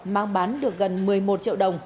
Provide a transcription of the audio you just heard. mang bán được gần một mươi một triệu đồng